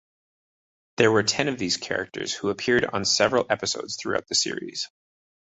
There were ten of these characters who appeared on several episodes throughout the series.